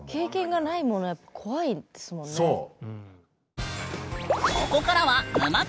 そう！